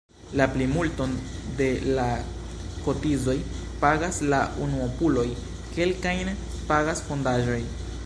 La plimulton de la kotizoj pagas la unuopuloj, kelkajn pagas fondaĵoj.